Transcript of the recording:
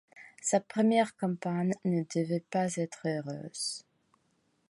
Sa première campagne ne devait pas être heureuse.